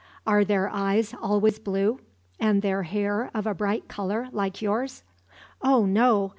"Are their eyes always blue, and their hair of a bright color, like yours?" "Oh no!